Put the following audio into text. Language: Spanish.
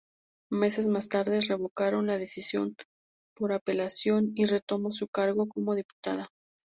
Meses más tarde, revocaron la decisión, por apelación, y retomó su cargo como diputada.